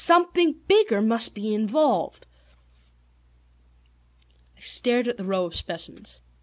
Something bigger must be involved. I stared at the rows of specimens.